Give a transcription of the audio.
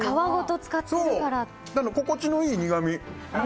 心地のいい苦み。